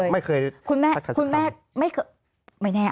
ไม่เคยคุณแม่เค้าเป็นคุณแม่แม่โอเค